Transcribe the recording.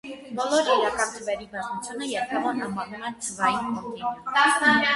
Բոլոր իրական թվերի բազմությունը երբեմն անվանում են «թվային կոնտինուում»։